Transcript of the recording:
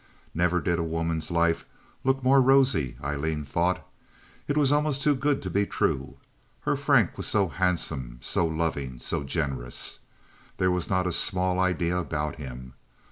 Never did a woman's life look more rosy, Aileen thought. It was almost too good to be true. Her Frank was so handsome, so loving, so generous. There was not a small idea about him.